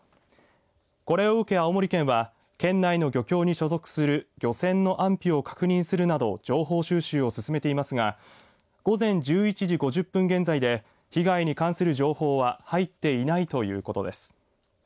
これを受け青森県は、県内の漁協に所属する漁船の安否を確認するなど情報収集を進めていますが午前１１時５０分現在で被害に関する情報は入っていないということです。